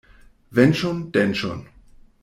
Wenn schon, denn schon!